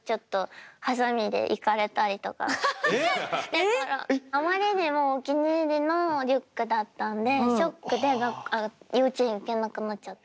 だからあまりにもお気に入りのリュックだったんでショックで幼稚園行けなくなっちゃった。